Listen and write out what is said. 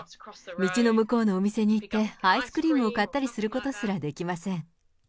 道の向こうのお店に行って、アイスクリームを買ったりすることすらできません。